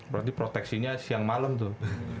berarti proteksinya siang malam tuh